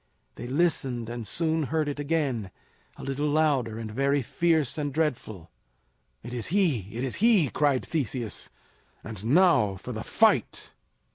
They listened and soon heard it again, a little louder and very fierce and dreadful. "It is he! it is he!" cried Theseus; "and now for the fight!"